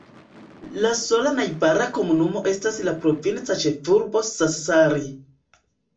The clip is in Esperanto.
La sola najbara komunumo estas la provinca ĉefurbo Sassari.